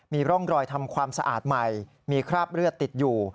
มีร่องรอยทำความสะอาดใหม่มีคราบเลือดติดอยู่